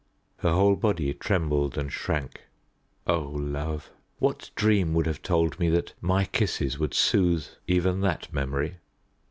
Her whole body trembled and shrank. O love, what dream would have told me that my kisses would soothe even that memory?